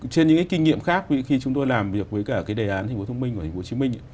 trên những kinh nghiệm khác khi chúng tôi làm việc với cả cái đề án thành phố thông minh của thành phố hồ chí minh